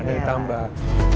nah nilai tambah